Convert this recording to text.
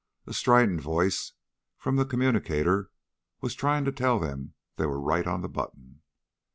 A strident voice from the communicator was trying to tell them they were right on the button.